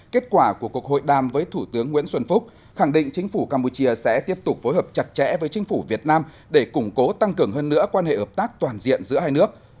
kết quả của cuộc hội đàm với thủ tướng nguyễn xuân phúc khẳng định chính phủ campuchia sẽ tiếp tục phối hợp chặt chẽ với chính phủ việt nam để củng cố tăng cường hơn nữa quan hệ hợp tác toàn diện giữa hai nước